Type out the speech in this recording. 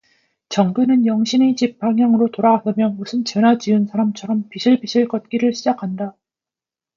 정근은 영신의 집 방향으로 돌아서며 무슨 죄나 지은 사람처럼 비실비실 걷기를 시작한다.